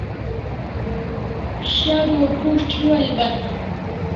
Sharu o prus't hiu albat